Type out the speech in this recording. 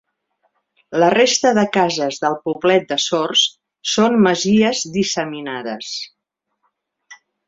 La resta de cases del poblet de Sords són masies disseminades.